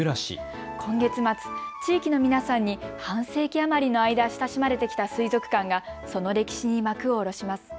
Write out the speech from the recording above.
今月末、地域の皆さんに半世紀余りの間、親しまれてきた水族館がその歴史に幕を下ろします。